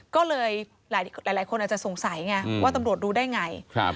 ก็เลยหลายคนอาจจะสงสัยไงว่าตำรวจรู้ได้ไง